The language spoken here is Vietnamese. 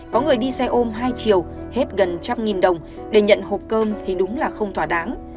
có người đi xe ôm hai chiều hết gần trăm nghìn đồng để nhận hộp cơm thì đúng là không thỏa đáng